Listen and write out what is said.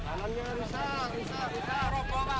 jalan yang rusak rusak rusak rusak